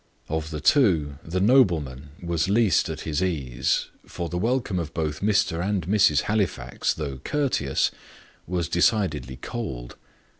Of the two, the nobleman was least at his ease, for the welcome of both Mr. and Mrs. Halifax, though courteous, was decidedly cold.